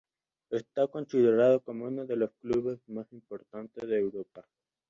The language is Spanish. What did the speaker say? Está considerado como uno de los clubes más importantes de Europa.